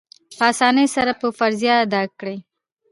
په آسانۍ سره به فریضه ادا کړي.